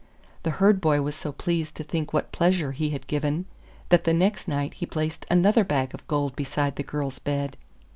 The Herd boy was so pleased to think what pleasure he had given that the next night he placed another bag of gold beside the girl's bed.